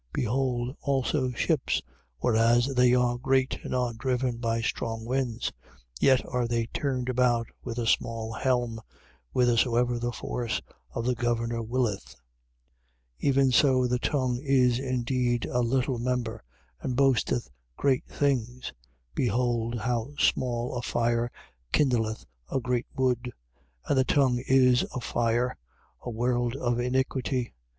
3:4. Behold also ships, whereas they are great and are driven by strong winds, yet are they turned about with a small helm, whithersoever the force of the governor willeth. 3:5. Even so the tongue is indeed a little member and boasteth great things. Behold how small a fire kindleth a great wood. 3:6. And the tongue is a fire, a world of iniquity.